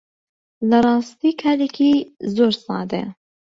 لە ڕاستی کارێکی زۆر سادەیە